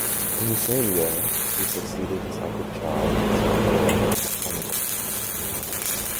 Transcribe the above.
In the same year, he succeeded his uncle Charles as Earl of Ancram.